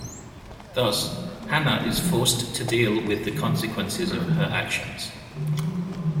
Thus, Hannah is forced to deal with the consequences of her actions.